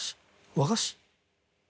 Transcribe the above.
和菓子！